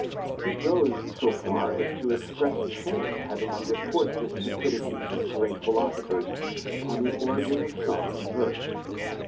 He goes as far as to express shame at having to report the stupidities of great philosophers upon the origin of song and verse.